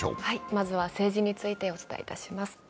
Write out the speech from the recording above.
まずは政治についてお伝えします。